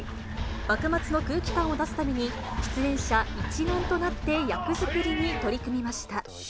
幕末の空気感を出すために、出演者一丸となって役作りに取り組みました。